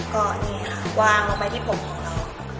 ก็นี่ค่ะวางลงไปที่ผมของเรา